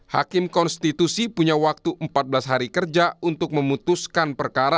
hakim konstitusi punya waktu empat belas hari kerja untuk memutuskan perkara